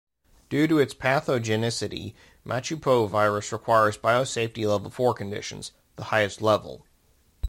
Due to its pathogenicity, Machupo virus requires Biosafety Level Four conditions, the highest level.